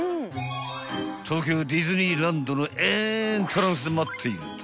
［東京ディズニーランドのエントランスで待っていると］